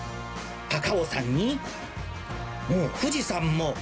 高尾山に、富士山も。